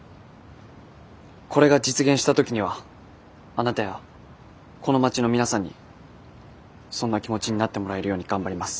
これが実現した時にはあなたやこの町の皆さんにそんな気持ちになってもらえるように頑張ります。